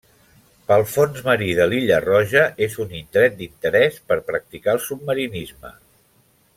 Pel fons marí de l'illa Roja, és un indret d'interès per practicar el submarinisme.